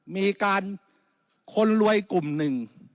มีการคนรวยกลุ่มหนึ่ง